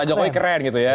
pak jokowi keren gitu ya